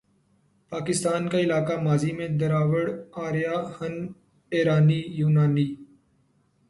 پاکستان کا علاقہ ماضی میں دراوڑ، آریا، ہن، ایرانی، یونانی،